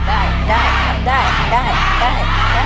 ได้ครับได้ได้ได้ได้